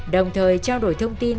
đồng thời trao đổi thông tin